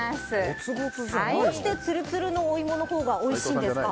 どうしてツルツルのお芋のほうがおいしいんですか？